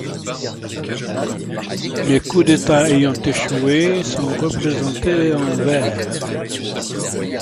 Les coups d’État ayant échoué sont représentés en vert.